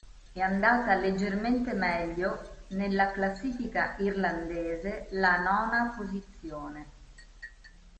È andata leggermente meglio nella classifica irlandese la nona posizione.